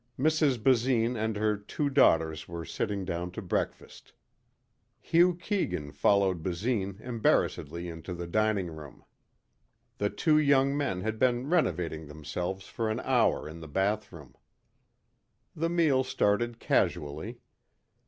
Mrs Basine and her two daughters were sitting down to breakfast. Hugh Keegan followed Basine embarrassedly into the dining room. The two young men had been renovating themselves for an hour in the bathroom. The meal started casually.